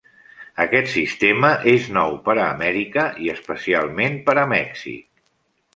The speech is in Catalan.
Aquest sistema és nou per a Amèrica, i especialment per a Mèxic.